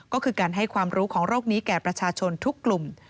ก็คือการให้ความรู้ของโรคนี้แก่ประชาชนทุกกลุ่ม